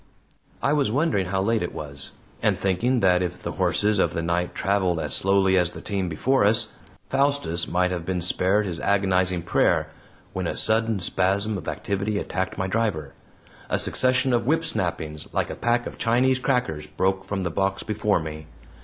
I was wondering how late it was, and thinking that if the horses of the night traveled as slowly as the team before us, Faustus might have been spared his agonizing prayer, when a sudden spasm of activity attacked my driver. A succession of whip snappings, like a pack of Chinese crackers, broke from the box before me.